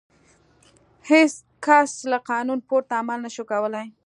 هېڅ کس له قانون پورته عمل نه شوای کولای.